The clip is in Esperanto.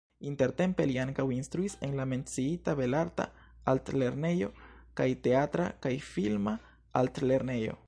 Intertempe li ankaŭ instruis en la menciita Belarta Altlernejo kaj Teatra kaj Filma Altlernejo.